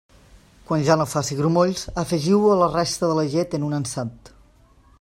Quan ja no faci grumolls, afegiu-ho a la resta de la llet en un ansat.